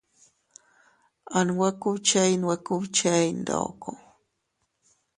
At nwe kubchey nwe kubchey ndoko.